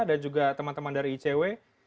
dan juga teman teman dari icw